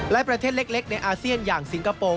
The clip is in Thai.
และประเทศเล็กในอาเซียนอย่างสิงคโปร์